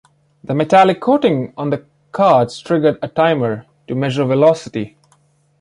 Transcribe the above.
The metallic coating on the cards triggered a timer, to measure velocity.